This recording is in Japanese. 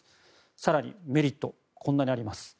更に、メリットはこんなにあります。